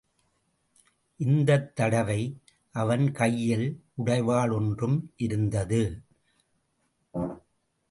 இந்தத் தடவை அவன் கையில் உடைவாள் ஒன்றும் இருந்தது.